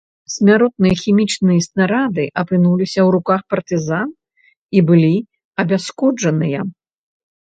Смяротныя хімічныя снарады апынуліся ў руках партызан і былі абясшкоджаныя.